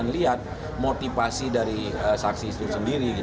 lihat motivasi dari saksi itu sendiri